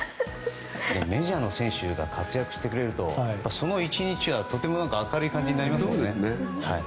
メジャーの選手が活躍してくれると、その１日がとても明るい感じになりますよね。